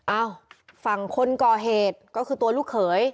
อ้าวฝั่งคนก่อเหตุก็คือตัวลูกเขย